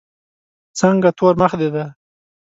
څنګه تور مخ دي دی.